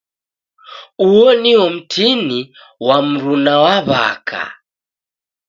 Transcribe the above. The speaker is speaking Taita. Uo nio mtini wa mruna wa w'aka.